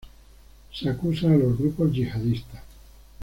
Se acusa a los grupos yihadistas.